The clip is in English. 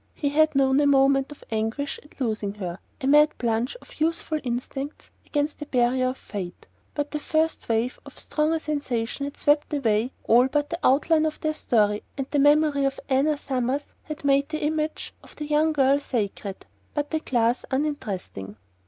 He had known a moment of anguish at losing her the mad plunge of youthful instincts against the barrier of fate; but the first wave of stronger sensation had swept away all but the outline of their story, and the memory of Anna Summers had made the image of the young girl sacred, but the class uninteresting.